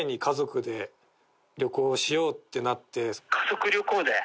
「家族旅行で？」